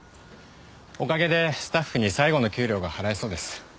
おかげでスタッフに最後の給料が払えそうです。